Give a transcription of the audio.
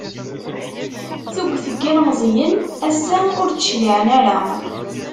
Tuget n yilemẓiyen ass-a ur d-cliɛen ara.